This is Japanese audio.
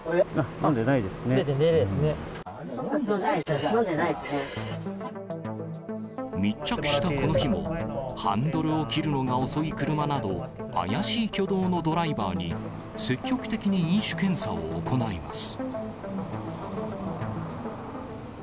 飲んでないって言ってるじゃ密着したこの日も、ハンドルを切るのが遅い車など、怪しい挙動のドライバーに、積極的に飲酒検査を行います。